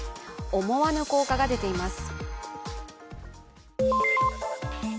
思わぬ効果が出ています。